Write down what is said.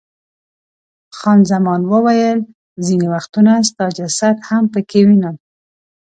خان زمان وویل، ځیني وختونه ستا جسد هم پکې وینم.